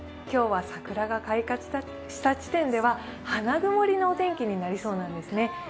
今日は桜が開花した地点では花曇りのお天気になりそうなんですね。